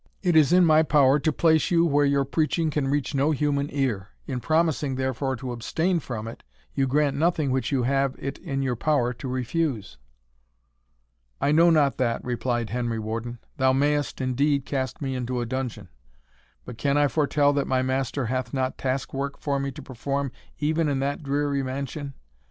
It is in my power to place you where your preaching can reach no human ear; in promising therefore to abstain from it, you grant nothing which you have it in your power to refuse." "I know not that," replied Henry Warden; "thou mayest indeed cast me into a dungeon, but can I foretell that my Master hath not task work for me to perform even in that dreary mansion?